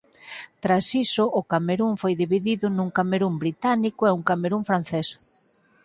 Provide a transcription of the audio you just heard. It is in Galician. Tras iso o Camerún foi dividido nun Camerún británico e un Camerún francés.